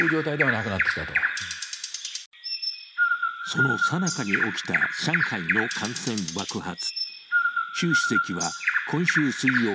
そのさなかに起きた上海の感染爆発。